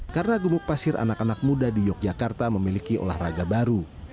karena gumuk pasir anak anak muda di yogyakarta memiliki olahraga baru